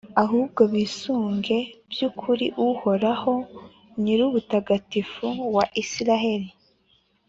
ahubwo bisunge by’ukuri Uhoraho, Nyirubutagatifu wa Israheli.